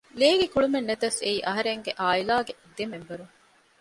ލޭގެ ގުޅުމެއްނެތަސް އެއީ އަހަރެންގެ ޢާއިލާގެ ދެ މެމްބަރުން